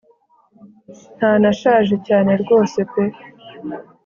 ntanashaje cyane rwose pe